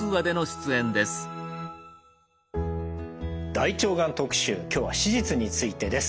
「大腸がん特集」今日は手術についてです。